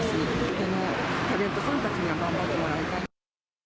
でもタレントさんたちには頑張ってもらいたい。